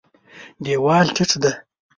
دېوال ټیټ دی.